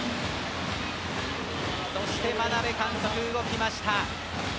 そして眞鍋監督、動きました。